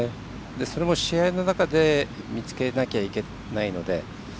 それも試合の中で見つけなきゃいけないので。